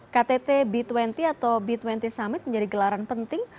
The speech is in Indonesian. ktt b dua puluh atau b dua puluh summit menjadi gelaran penting